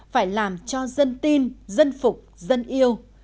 phải làm cho dân tin dân phục dân yêu